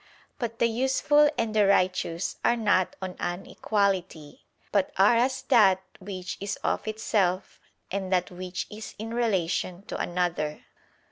But the useful and the righteous are not on an equality, but are as that which is of itself, and that which is in relation to another.